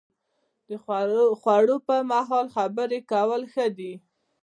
د خوړو پر مهال خبرې کول ښه دي؟